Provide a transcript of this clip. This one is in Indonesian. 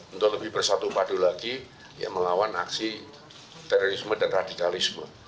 untuk lebih bersatu padu lagi melawan aksi terorisme dan radikalisme